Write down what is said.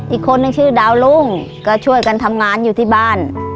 อีกคนนึงชื่อดาวรุ่งก็ช่วยกันทำงานอยู่ที่บ้าน